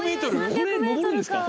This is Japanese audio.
これ登るんですか？